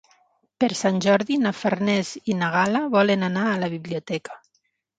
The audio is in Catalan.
Per Sant Jordi na Farners i na Gal·la volen anar a la biblioteca.